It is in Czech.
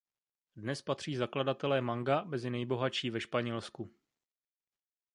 Dnes patří zakladatelé Manga mezi nejbohatší ve Španělsku.